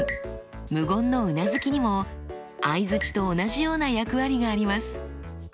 無言のうなずきにも相づちと同じような役割があります。